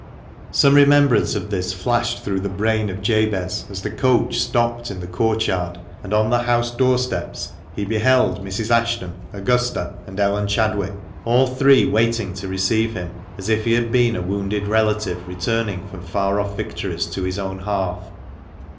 Some remembrance of this flashed through the brain of Jabez as the coach stopped in the courtyard, and on the house doorsteps he beheld Mrs. Ashton, Augusta, and Ellen Chadwick, all three waiting to receive him as if had been a wounded relative returning from far off victories to his own hearth.